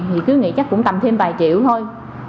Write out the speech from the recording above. thì cứ nghĩ chắc cũng tầm thêm vài triệu thôi